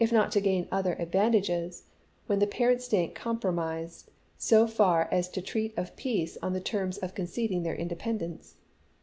not to gain other advantages, when the parent state compromised so far as to treat of peace on the terms of conceding their independence.